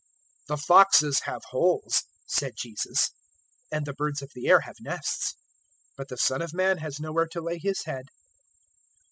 009:058 "The foxes have holes," said Jesus, "and the birds of the air have nests; but the Son of Man has nowhere to lay His head."